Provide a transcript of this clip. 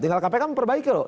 tinggal kpk memperbaiki loh